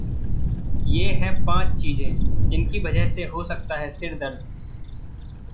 ये हैं पांच चीजें जिनकी वजह से हो सकता है सिरदर्द